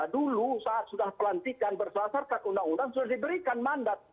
dulu saat sudah pelantikan berdasarkan undang undang sudah diberikan mandat